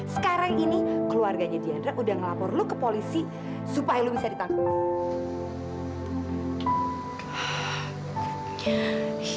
sekarang ini keluarganya dianra sudah melapor kamu ke polisi supaya kamu bisa ditangkap